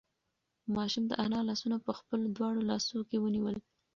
ماشوم د انا لاسونه په خپلو دواړو لاسو کې ونیول.